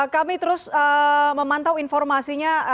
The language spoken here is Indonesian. kami terus memantau informasinya